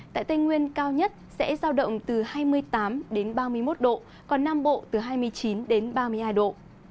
tại tây nguyên cao nhất sẽ giao động từ hai mươi tám ba mươi một độ còn nam bộ từ hai mươi chín đến ba mươi hai độ